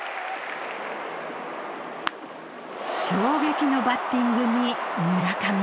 衝撃のバッティングに村上は。